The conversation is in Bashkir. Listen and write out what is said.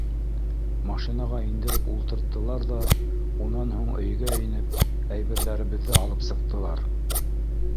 Машинаға индереп ултырттылар ҙа, унан һуң өйгә инеп, әйберҙәребеҙҙе алып сыҡтылар.